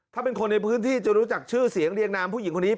ถ้าเป็นคนในพื้นที่จะรู้จักชื่อเสียงเรียงนามผู้หญิงคนนี้